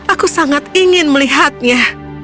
aku sangat ingin melihatnya